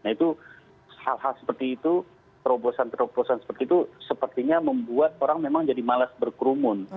nah itu hal hal seperti itu terobosan terobosan seperti itu sepertinya membuat orang memang jadi malas berkerumun